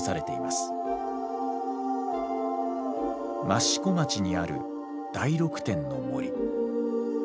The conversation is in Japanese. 益子町にある大六天の森。